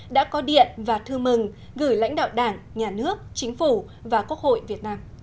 đã có điện và thư mừng gửi lãnh đạo đảng nhà nước chính phủ và quốc hội việt nam